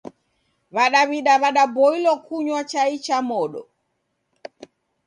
W'adaw'ida w'adaboilwa kunywa chai cha modo.